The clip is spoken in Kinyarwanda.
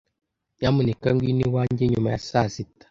Nyamuneka ngwino iwanjye nyuma ya saa sita.